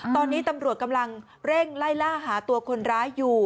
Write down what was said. ตอนนี้ตำรวจกำลังเร่งไล่ล่าหาตัวคนร้ายอยู่